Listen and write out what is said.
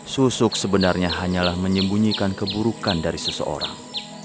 sosok sebenarnya hanyalah menyembunyikan keburukan dari seseorang